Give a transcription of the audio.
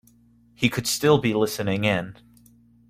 He could still be listening in.